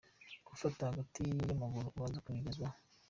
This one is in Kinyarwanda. Gufata hagati ya muguru ubanza bigezweho.